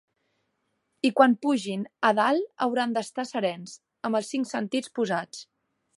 I quan pugin a dalt hauran d’estar serens, amb els cinc sentits posats.